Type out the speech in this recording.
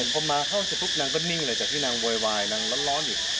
พอมาห้องเสร็จปุ๊บนางก็นิ่งหลังจากที่นางโวยวายนางร้อนอยู่